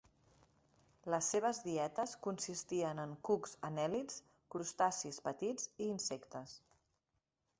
Les seves dietes consistien en cucs anèl·lids, crustacis petits i insectes.